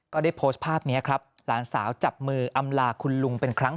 ก็ได้โพสต์ภาพนี้ครับหลานสาวจับมืออำลาคุณลุงเป็นครั้ง